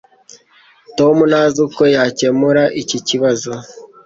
Tom ntazi uko yakemura iki kibazo.